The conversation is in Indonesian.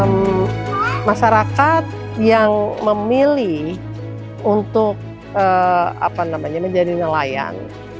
masyarakat yang memilih untuk menjadi nelayan